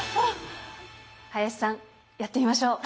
林さんやってみましょう！